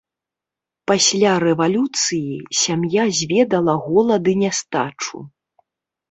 Пасля рэвалюцыі сям'я зведала голад і нястачу.